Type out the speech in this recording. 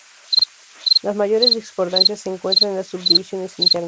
Las mayores discordancias se encuentran en las subdivisiones internas.